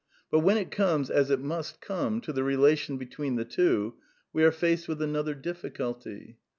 But when it comes, as it must come, to the relation between the two we are faced with another diflS culty.